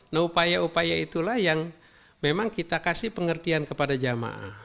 nah upaya upaya itulah yang memang kita kasih pengertian kepada jamaah